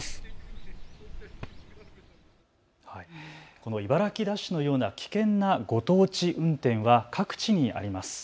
この茨城ダッシュのような危険なご当地運転は各地にあります。